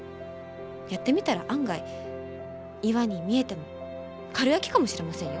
やってみたら案外岩に見えてもかるやきかもしれませんよ。